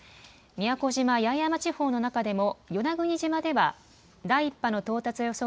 宮古島・八重山地方の中でも与那国島では第１波の到達予想